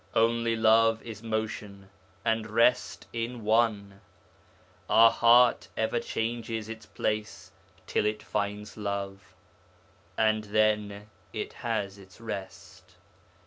'Only love is motion and rest in one. Our heart ever changes its place till it finds love, and then it has its rest....